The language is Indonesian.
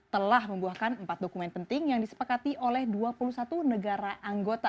telah membuahkan empat dokumen penting yang disepakati oleh dua puluh satu negara anggota